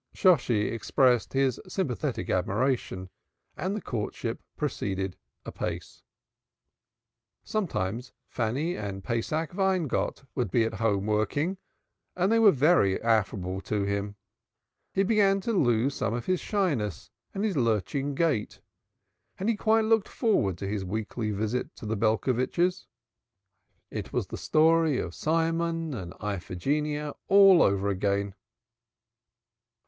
Shosshi expressed his sympathetic admiration and the courtship proceeded apace. Sometimes Fanny and Pesach Weingott would be at home working, and they were very affable to him. He began to lose something of his shyness and his lurching gait, and he quite looked forward to his weekly visit to the Belcovitches. It was the story of Cymon and Iphigenia over again.